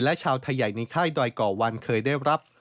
และชาวไทยใหญ่ในค่ายดอยก่อวันเคยได้รับ